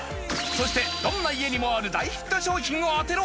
そしてどんな家にもある大ヒット商品を当てろ！